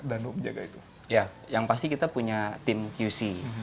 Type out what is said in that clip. antara yang bertahun tahun itu bahwa dia cobi